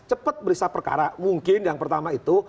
cepat beriksa perkara mungkin yang pertama itu